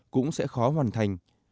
cũng sẽ khó hoàn thành